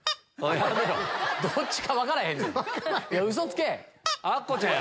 どっちか分からへん。